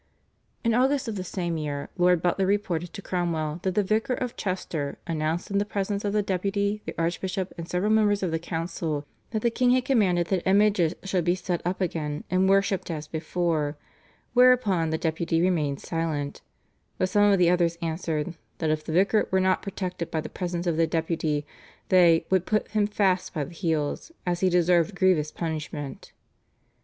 " In August of the same year Lord Butler reported to Cromwell that the vicar of Chester announced in the presence of the Deputy, the archbishop, and several members of the council that the king had commanded that images should be set up again and worshipped as before, whereupon the Deputy remained silent, but some of the others answered, that if the vicar were not protected by the presence of the Deputy they "would put him fast by the heels," as he deserved grievous punishment.